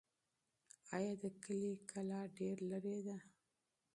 آیا د کلي کلا ډېر لرې ده؟